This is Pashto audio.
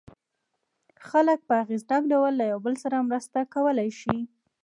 خلک په اغېزناک ډول له یو بل سره مرسته کولای شي.